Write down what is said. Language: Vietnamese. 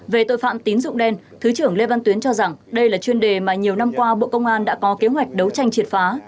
về tội phạm tín dụng đen thứ trưởng lê văn tuyến cho rằng đây là chuyên đề mà nhiều năm qua bộ công an đã có kế hoạch đấu tranh triệt phá